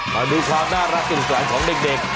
มาดูความน่ารักสนุกสนานของเด็ก